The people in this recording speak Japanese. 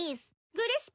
グレスポ？